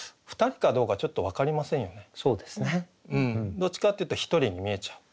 どっちかっていうと１人に見えちゃう。